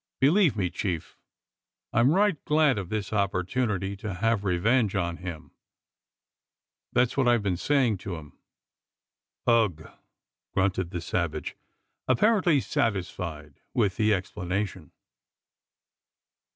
Believe me, chief, I'm right glad of this opportunity to have revenge on him. That's what I have been saying to him." "Ugh!" grunted the savage, apparently satisfied with the explanation.